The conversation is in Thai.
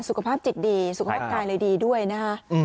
สุขภาพจิตดีสุขภาพกายเลยดีด้วยนะคะ